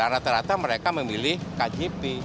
rata rata mereka memilih kjp